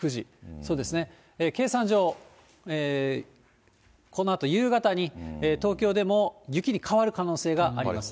そうですね、計算上、このあと夕方に東京でも雪に変わる可能性がありますね。